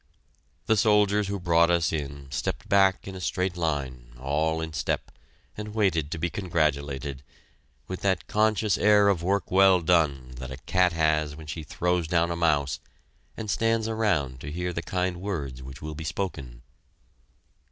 The soldiers who brought us in stepped back in a straight line, all in step, and waited to be congratulated, with that conscious air of work well done that a cat has when she throws down a mouse and stands around to hear the kind words which will be spoken.